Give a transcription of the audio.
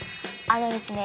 あのですね